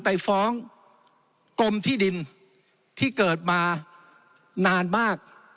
ไปฟ้องกรมที่ดินที่เกิดมานานมาก